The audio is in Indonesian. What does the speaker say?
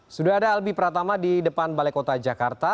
sudah ada albi pratama di depan balai kota jakarta